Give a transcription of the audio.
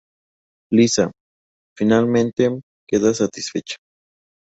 Lisa, finalmente, queda satisfecha.